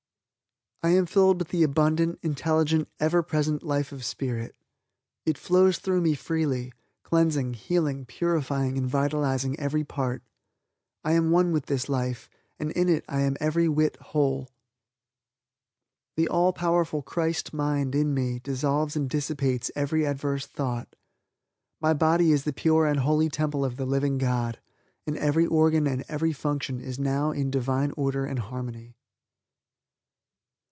"I am filled with the abundant, intelligent, ever present life of Spirit. It flows through me freely, cleansing, healing, purifying and vitalizing every part. I am one with this life and in it I am every whit whole." "The all powerful Christ Mind in me dissolves and dissipates every adverse thought. My body is the pure and Holy Temple of the Living God, and every organ and every function is now in Divine Order and Harmony."